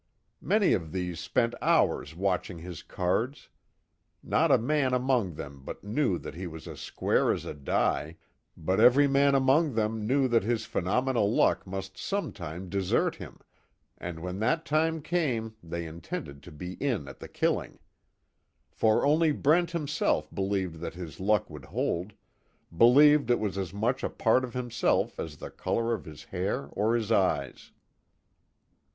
Many of these spent hours watching his cards. Not a man among them but knew that he was as square as a die, but every man among them knew that his phenomenal luck must sometime desert him, and when that time came they intended to be in at the killing. For only Brent himself believed that his luck would hold believed it was as much a part of himself as the color of his hair or his eyes.